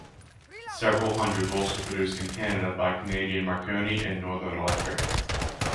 Several hundred were also produced in Canada by Canadian Marconi and Northern Electric.